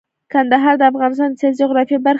کندهار د افغانستان د سیاسي جغرافیه برخه ده.